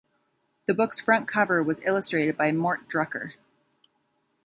The book's front cover was illustrated by Mort Drucker.